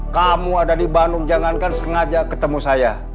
kamu ada di bandung jangankan sengaja ketemu saya